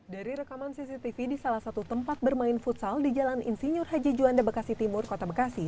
dari rekaman cctv di salah satu tempat bermain futsal di jalan insinyur haji juanda bekasi timur kota bekasi